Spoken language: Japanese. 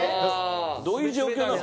どういう状況なの？